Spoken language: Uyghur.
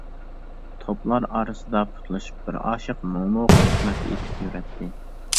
توپلار ئارىسىدا پۇتلىشىپ بىر ئاشىق مۇڭلۇق ھۆكمەت ئېيتىپ يۈرەتتى.